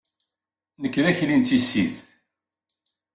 Nekk d akli n tissit.